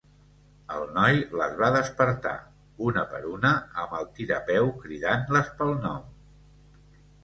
El noi les va despertar, una per una, amb el tirapeu, cridant-les pel nom.